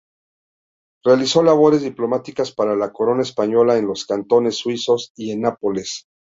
Realizó labores diplomáticas para la corona española en los cantones suizos y en Nápoles.